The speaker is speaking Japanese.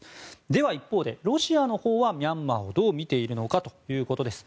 では一方でロシアのほうはミャンマーをどう見ているのかということです。